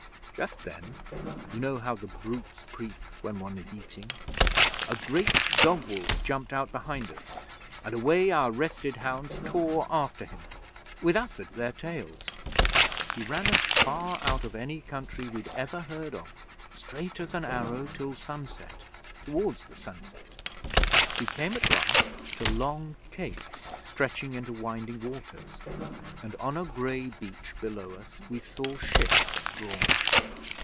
'Just then (you know how near the brutes creep when one is eating?) a great dog wolf jumped out behind us, and away our rested hounds tore after him, with us at their tails. He ran us far out of any country we'd ever heard of, straight as an arrow till sunset, towards the sunset. We came at last to long capes stretching into winding waters, and on a grey beach below us we saw ships drawn up.